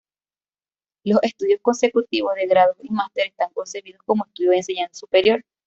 Los estudios consecutivos de grado y máster están concebidos como estudios de enseñanza superior.